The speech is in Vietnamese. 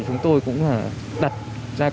chúng tôi cũng đặt ra